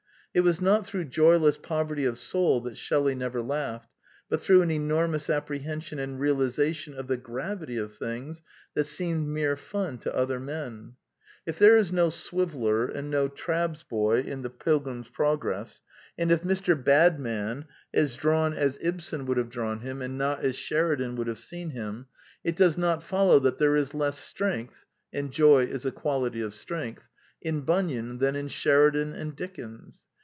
It was not through joyless poverty of soul that Shelley never laughed, but through an enormous apprehension and realization of the gravity of things that seemed mere fun to other men. If there is no Swiveller and no Trabbs's boy in The Pilgrim's Progress, and if Mr. Badman is drawn as Ibsen 212 The Quintessence of Ibsenism would have drawn him and not as Sheridan would have seen him, it does not follow that there is less strength (and joy is a quality of strength) in Bunyan than in Sheridan and Dickens.